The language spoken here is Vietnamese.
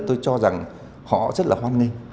tôi cho rằng họ rất là hoan nghênh